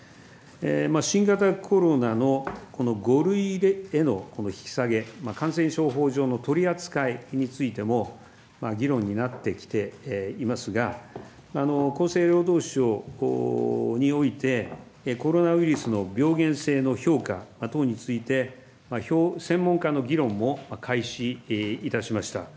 新型コロナの５類への引き下げ、感染症法上の取り扱いについても、議論になってきていますが、厚生労働省において、コロナウイルスの病原性の評価等について、専門家の議論も開始いたしました。